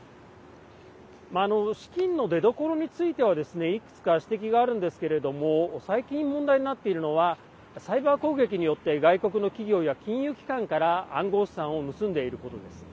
資金の出どころについてはいくつか指摘があるんですけれど最近、問題になっているのはサイバー攻撃によって外国の企業や金融機関から暗号資産を盗んでいることです。